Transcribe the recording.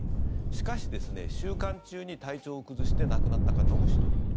しかし、収監中に体調を崩して亡くなった方も１人いる。